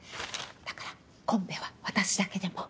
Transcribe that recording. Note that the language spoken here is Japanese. だからコンペは私だけでも。